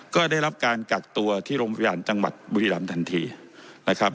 ก็ได้รับการกักตัวที่โรงพยาบาลจังหวัดบุรีรำทันทีนะครับ